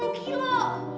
yang bener mba